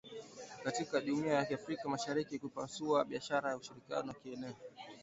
katika jumuia ya Afrika ya Mashariki kutapanua biashara na ushirikiano wa kieneo